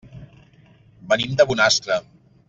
Venim de Bonastre.